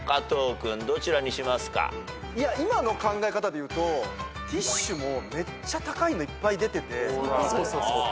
今の考え方でいうとティッシュもめっちゃ高いのいっぱい出てて。